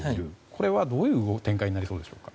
これはどういう展開になりそうですか？